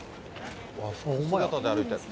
和装姿で歩いてる。